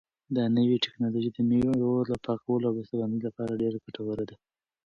دا نوې ټیکنالوژي د مېوو د پاکولو او بسته بندۍ لپاره ډېره ګټوره ده.